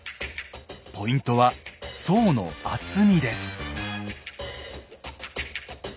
ポイントは層の厚みです。